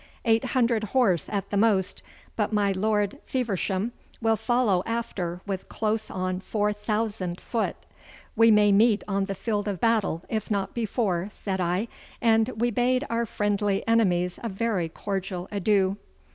'Eight hundred horse at the most, but my Lord Feversham will follow after with close on four thousand foot.' 'We may meet on the field of battle, if not before,' said I, and we bade our friendly enemies a very cordial adieu.